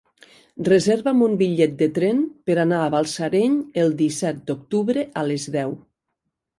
Reserva'm un bitllet de tren per anar a Balsareny el disset d'octubre a les deu.